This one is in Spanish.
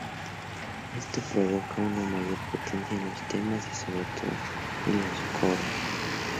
Esto provoca una mayor potencia en los temas, y sobre todo en los coros.